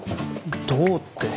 どうって。